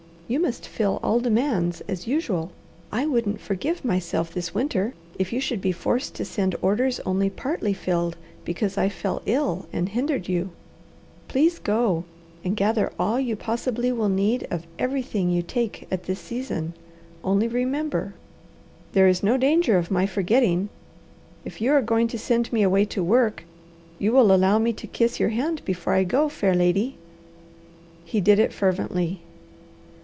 You must fill all demands as usual. I wouldn't forgive myself this winter if you should be forced to send orders only partly filled because I fell ill and hindered you. Please go and gather all you possibly will need of everything you take at this season, only remember!" "There is no danger of my forgetting. If you are going to send me away to work, you will allow me to kiss your hand before I go, fair lady?" He did it fervently.